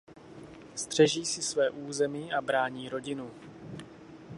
Střeží si své území a brání rodinu.